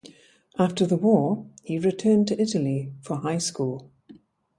After the war he returned to Italy for high school.